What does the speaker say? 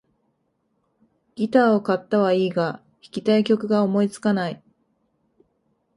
ギターを買ったはいいが、弾きたい曲が思いつかない